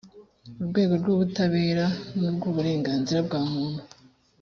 urwego rw ubutabera n urw uburenganzira bwa bantu